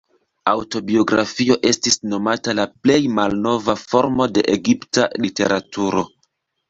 Aŭtobiografio estis nomata la plej malnova formo de egipta literaturo.